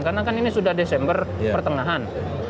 karena kan ini sudah desember pertengahan